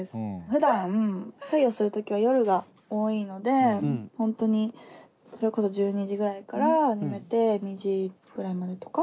ふだん作業する時は夜が多いので本当にそれこそ１２時ぐらいから始めて２時くらいまでとか。